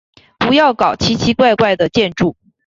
不要搞奇奇怪怪的建筑。